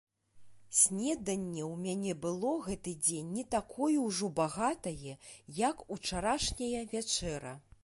Снеданне ў мяне было гэты дзень не такое ўжо багатае, як учарашняя вячэра.